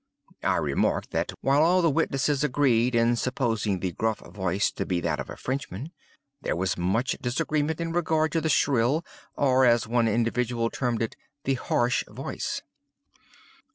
I remarked that, while all the witnesses agreed in supposing the gruff voice to be that of a Frenchman, there was much disagreement in regard to the shrill, or, as one individual termed it, the harsh voice.